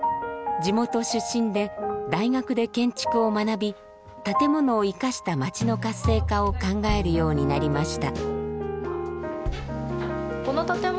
地元出身で大学で建築を学び建物を生かした町の活性化を考えるようになりました。